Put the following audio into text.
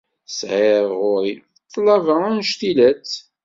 Tesεiḍ ɣur-i ṭṭlaba annect-ilatt.